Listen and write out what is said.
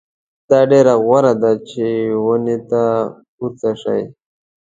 دا ډېره غوره ده چې ونې ته پورته شئ.